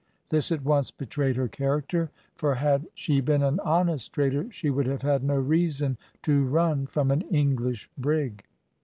This at once betrayed her character, for had she been an honest trader, she would have had no reason to run from an English brig.